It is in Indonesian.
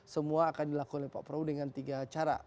semua akan dilakukan oleh pak prabowo dengan tiga cara